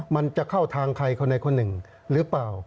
มันจะเข้าทางใครคนใดคนหนึ่งหรือเปล่า